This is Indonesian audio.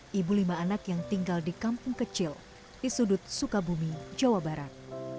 hai ibu lima anak yang tinggal di kampung kecil di sudut sukabumi jawa barat